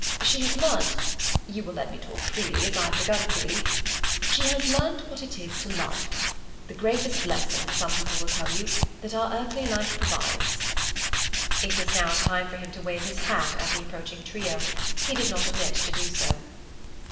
She has learnt—you will let me talk freely, as I have begun freely—she has learnt what it is to love: the greatest lesson, some people will tell you, that our earthly life provides." It was now time for him to wave his hat at the approaching trio. He did not omit to do so.